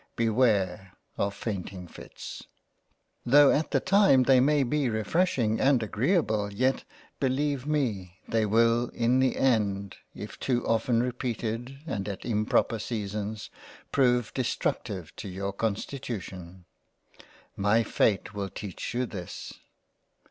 .. Beware of fainting fits. .. Though at the time they may be refreshing and agreable yet beleive me they will in the end, if too often repeated and at improper seasons, prove destructive to your Constitution. .. My fate will teach you this.